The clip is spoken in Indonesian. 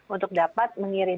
untuk dapat mengirimkan